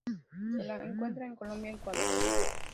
Se la encuentra en Colombia, Ecuador.